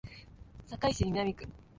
堺市南区